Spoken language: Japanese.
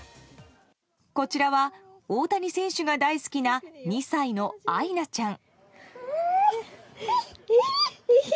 こちらは大谷選手が大好きな２歳のあいなちゃん。